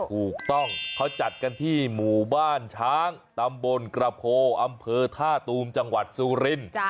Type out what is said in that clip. ถูกต้องเขาจัดกันที่หมู่บ้านช้างตำบลกระโพอำเภอท่าตูมจังหวัดซูรินทร์